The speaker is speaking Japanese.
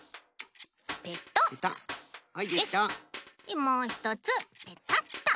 でもうひとつペタッと。